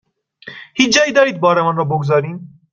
هیچ جایی دارید بارمان را بگذاریم؟